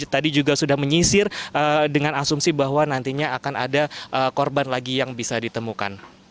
tadi juga sudah menyisir dengan asumsi bahwa nantinya akan ada korban lagi yang bisa ditemukan